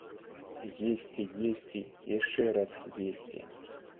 Есці, есці і яшчэ раз есці.